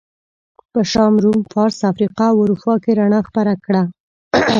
په شام، روم، فارس، افریقا او اروپا کې رڼا خپره کړه.